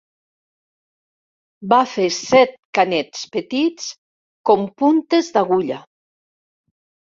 Va fer set canets petits com puntes d'agulla.